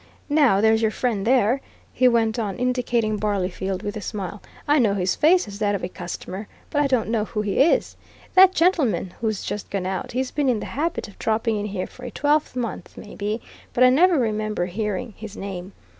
Now, there's your friend there," he went on, indicating Barleyfield with a smile, "I know his face as that of a customer, but I don't know who he is! That gentleman who's just gone out, he's been in the habit of dropping in here for a twelvemonth, maybe, but I never remember hearing his name.